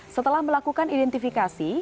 setelah melakukan identifikasi